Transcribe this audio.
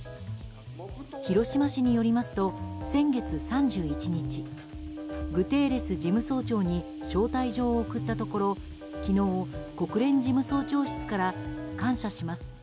広島市によりますと先月３１日グテーレス事務総長に招待状を送ったところ昨日、国連事務総長室から感謝します。